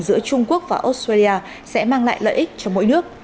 giữa trung quốc và australia sẽ mang lại lợi ích cho mỗi nước